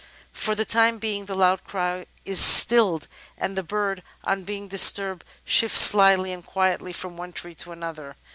For the time being, the loud cry is stilled, and the bird, on being dis turbed, shifts slyly and quietly from one tree to another.